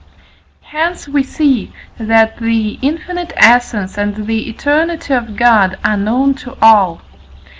Hence we see, that the infinite essence and the eternity of God are known to all.